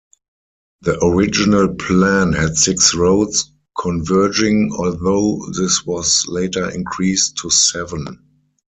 The original plan had six roads converging, although this was later increased to seven.